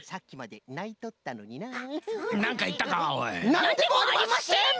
なんでもありません！